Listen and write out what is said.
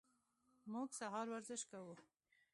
موږ سهار ورزش کوو.